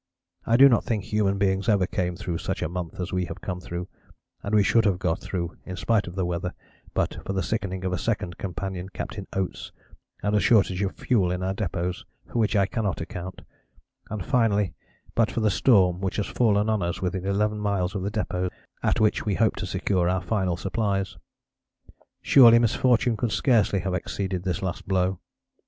I do not think human beings ever came through such a month as we have come through, and we should have got through in spite of the weather but for the sickening of a second companion, Captain Oates, and a shortage of fuel in our depôts for which I cannot account, and finally, but for the storm which has fallen on us within 11 miles of the depôt at which we hoped to secure our final supplies. Surely misfortune could scarcely have exceeded this last blow.